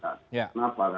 terus bagaimana kemudian